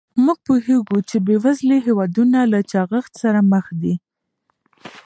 موږ پوهیږو چې بې وزلي هېوادونه له چاغښت سره مخ دي.